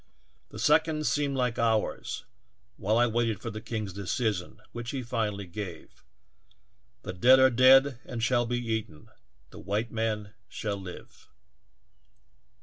The seconds seemed like hours while I waited for the king's decision, which he finally gave: ''' The dead are dead, and shall be eaten ; the white man shall live.